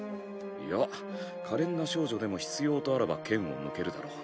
いやかれんな少女でも必要とあらば剣を向けるだろう。